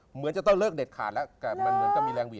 เหมือนจะต้องเลิกเด็ดขาดแล้ว